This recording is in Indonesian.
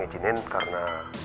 saya mau ngerahin karena